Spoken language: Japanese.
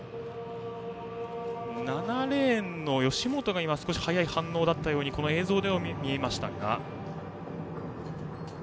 ７レーンの吉本が少し早い反応だったように映像では見えましたが。